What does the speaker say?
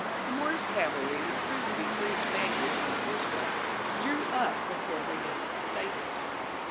The Moorish cavalry, which proved to be three Spaniards on horseback, drew up before the young crusaders.